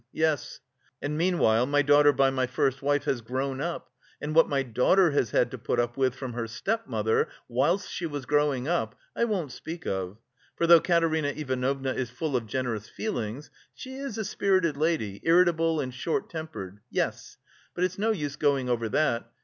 yes... And meanwhile my daughter by my first wife has grown up; and what my daughter has had to put up with from her step mother whilst she was growing up, I won't speak of. For, though Katerina Ivanovna is full of generous feelings, she is a spirited lady, irritable and short tempered.... Yes. But it's no use going over that!